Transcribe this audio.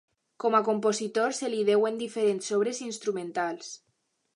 Com a compositor se li deuen diferents obres instrumentals.